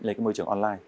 lên cái môi trường online